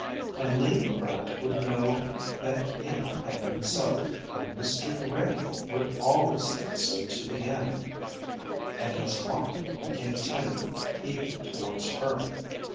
And Lady Grant would know that it had been so, and Mr. Gray would always think so to the end. And his heart became tender even towards her.